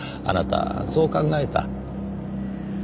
あなたはそう考えた。